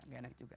gak enak juga